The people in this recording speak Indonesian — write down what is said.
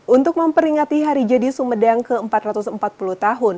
untuk memperingati hari jadi sumedang ke empat ratus empat puluh tahun